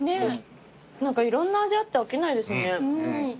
いろんな味あって飽きないですね。